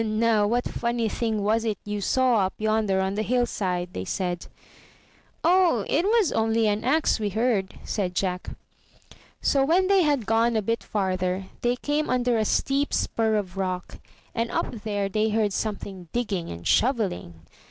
"And now, what funny thing was it you saw up yonder on the hill side?" they said. 239 MY BOOK HOUSE *'0h, it was only an axe we heard/' said Jack. So when they had gone a bit farther, they came under a steep spur of rock, and up there they heard something digging and shovelHng.